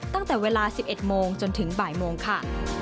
ตั้งแต่เวลา๑๑โมงจนถึงบ่ายโมงค่ะ